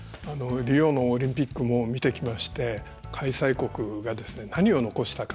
リオのオリンピックも見てきまして開催国が何を残したか。